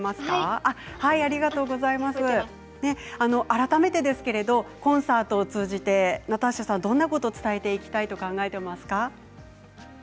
改めてですけどコンサートを通じてナターシャさん、どんなことを伝えていきたいと考えていますか。